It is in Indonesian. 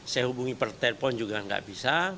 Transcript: saya hubungi per telpon juga tidak bisa